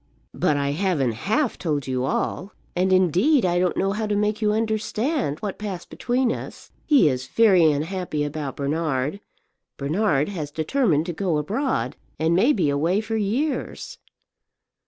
"But I haven't half told you all; and, indeed, I don't know how to make you understand what passed between us. He is very unhappy about Bernard; Bernard has determined to go abroad, and may be away for years."